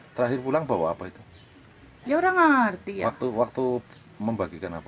terakhir pulang bawa apa itu ya orang ngerti waktu waktu membagikan apa